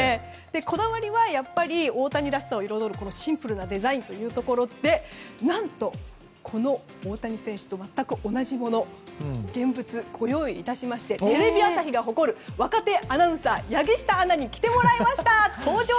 こだわりは大谷らしさを彩るシンプルなデザインというところで何と、この大谷選手と全く同じもの現物、ご用意いたしましてテレビ朝日が誇る若手アナウンサー柳下アナに着てもらいました。